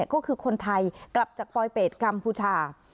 ก็คือคนไทยกลับจากปลอยเป็ดกัมพูชา